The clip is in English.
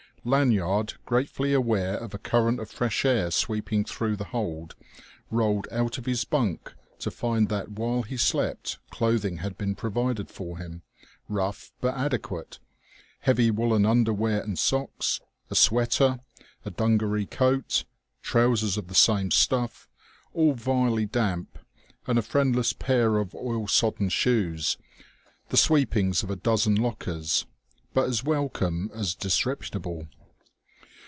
Lanyard, gratefully aware of a current of fresh air sweeping through the hold, rolled out of his bunk to find that, while he slept, clothing had been provided for him, rough but adequate; heavy woollen underwear and socks, a sweater, a dungaree coat, trousers of the same stuff, all vilely damp, and a friendless pair of oil sodden shoes: the sweepings of a dozen lockers, but as welcome as disreputable.